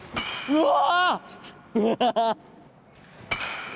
うわ。